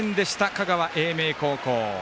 香川・英明高校。